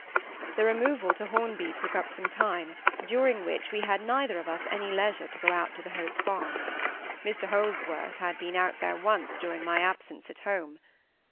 The removal to Hornby took up some time, during which we had neither of us any leisure to go out to the Hope Farm. Mr Holdsworth had been out there once during my absence at home.